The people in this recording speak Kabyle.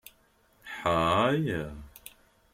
Ḥay!